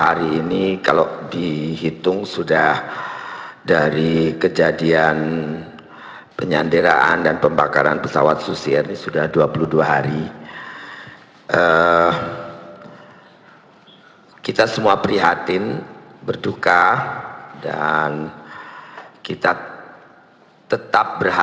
assalamualaikum warahmatullahi wabarakatuh